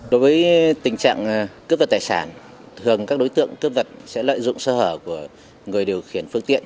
đối với tình trạng cướp vật tài sản thường các đối tượng cướp vật sẽ lợi dụng sơ hở của người điều khiển phương tiện